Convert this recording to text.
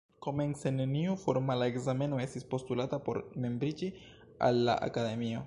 Komence neniu formala ekzameno estis postulata por membriĝi al la Akademio.